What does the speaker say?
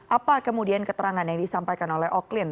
apa kemudian keterangan yang disampaikan oleh oklin